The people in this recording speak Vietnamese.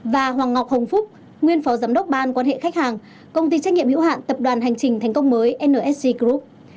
và hoàng ngọc hồng phúc nguyên phó giám đốc ban quan hệ khách hàng công ty trách nhiệm hữu hạn tập đoàn hành trình thành công mới nsg group